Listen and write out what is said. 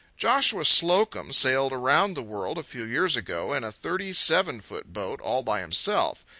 Joshua Slocum sailed around the world a few years ago in a thirty seven foot boat all by himself.